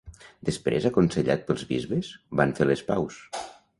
Després aconsellat pels bisbes, van fer les paus.